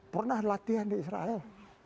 pernah latihan di israel